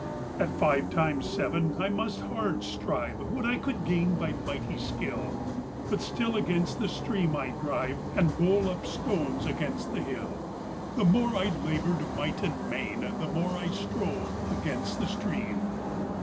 At five times seven I must hard strive, What I could gain by mighty skill; But still against the stream I drive, And bowl up stones against the hill; The more I laboured might and main, The more I strove against the stream.